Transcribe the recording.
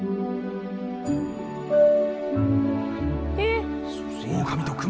えっ？